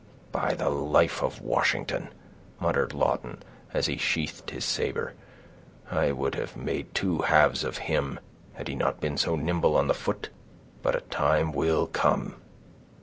"By the life of Washington," muttered Lawton, as he sheathed his saber, "I would have made two halves of him, had he not been so nimble on the foot—but a time will come!"